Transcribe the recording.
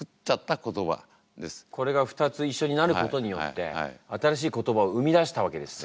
これが２つ一緒になることによって新しい言葉を生み出したわけですね。